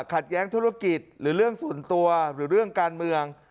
ขัดแย้งธุรกิจหรือเรื่องส่วนตัวหรือเรื่องการเมือง